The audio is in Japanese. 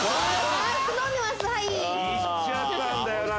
はいいっちゃったんだよな